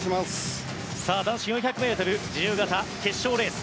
男子４００ｍ自由形決勝レース。